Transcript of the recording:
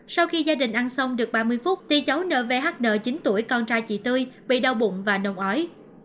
sau khi gia đình ăn xong được ba mươi phút thì cháu nvhn chín tuổi con trai chị tươi bị đau bụng và nồng ỏi